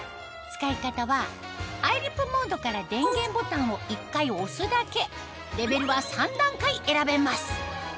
使い方はＥＹＥ＆ＬＩＰモードから電源ボタンを１回押すだけレベルは３段階選べます